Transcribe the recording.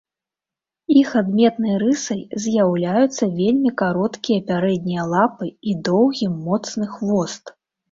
Іх адметнай рысай з'яўляюцца вельмі кароткія пярэднія лапы і доўгі моцны хвост.